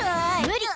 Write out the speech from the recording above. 無理！